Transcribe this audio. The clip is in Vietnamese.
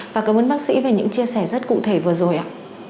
và cảm ơn bác sĩ về những chia sẻ rất cụ thể vừa rồi ạ